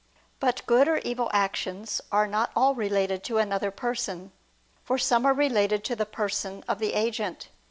But good or evil actions are not all related to another person, for some are related to the person of the agent.